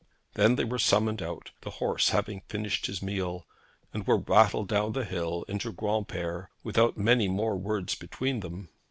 Then they were summoned out, the horse having finished his meal, and were rattled down the hill into Granpere without many more words between them.